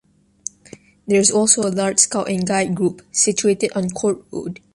There is also a large Scout and Guide group, situated on Court Road.